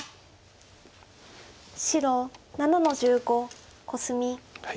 白７の十五コスミ。